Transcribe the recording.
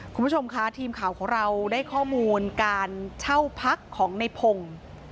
คุณผู้ชมค่ะทีมข่าวของเราได้ข้อมูลการเช่าพักของในพงศ์